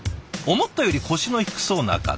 思ったより腰の低そうな方。